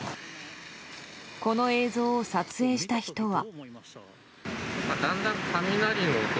この映像を撮影した人は。